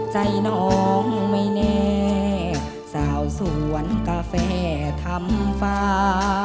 ใจน้องไม่แน่สาวสวนกาแฟทำฟ้า